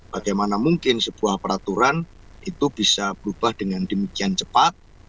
bagaimana mungkin sebuah peraturan itu bisa berubah dengan demikian cepat